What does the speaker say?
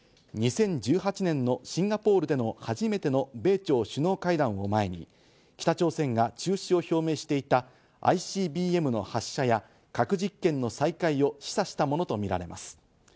２０１８年のシンガポールでの初めての米朝首脳会談を前に北朝鮮が中止を表明していたＩＣＢＭの発射や核実験の再開を示唆したものとみられます。